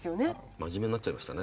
真面目になっちゃいましたね。